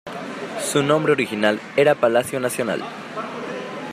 Su nombre original era Palacio Nacional.